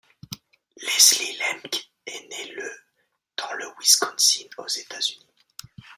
Leslie Lemke est né le dans le Wisconsin aux États-Unis.